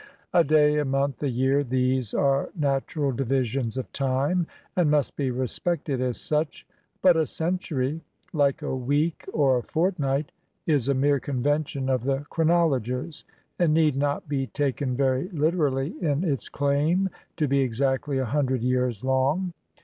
A day, a month, a year, these are natural divisions of time, and must be respected as such; but a century, like a week or a fortnight, is a mere convention of the chronologers, and need not be taken very Uterally in its claim to be exactly a hundred years long.